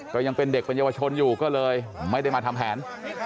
ก็ยังเป็นเด็กเป็นเยาวชนอยู่ก็เลยไม่ได้มาทำแผน